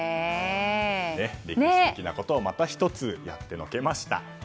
歴史的なことをまた１つやってのけました。